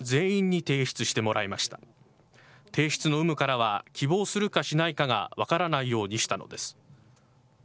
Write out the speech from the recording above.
提出の有無からは希望するかしないかが分からないようにしたのです。